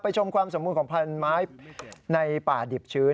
ชมความสมบูรณของพันธุ์ไม้ในป่าดิบชื้น